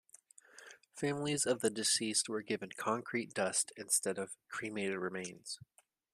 Families of the deceased were given concrete dust instead of cremated remains.